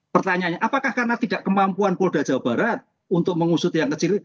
pertanyaannya apakah karena tidak kemampuan polda jawa barat untuk mengusut yang kecil